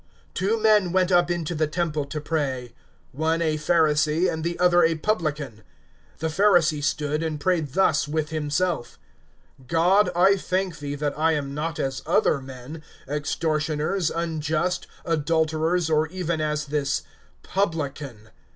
(10)Two men went up into the temple to pray; one a Pharisee, and the other a publican. (11)The Pharisee stood, and prayed thus with himself: God, I thank thee, that I am not as other men, extortioners, unjust, adulterers, or even as this publican.